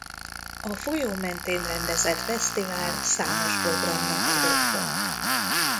A folyó mentén rendezett fesztivál számos programnak ad otthont.